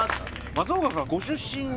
松岡さんご出身は？